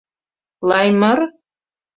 Лаймыр?..